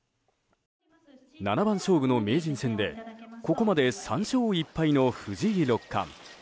七番勝負の名人戦でここまで３勝１敗の藤井六冠。